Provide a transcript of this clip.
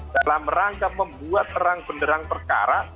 dalam rangka membuat terang benderang perkara